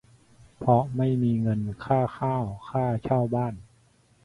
เพราะไม่มีเงินค่าข้าว ค่าเช่าบ้าน